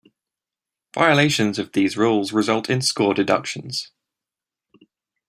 Violations of these rules result in score deductions.